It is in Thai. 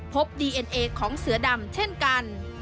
ดีเอ็นเอของเสือดำเช่นกัน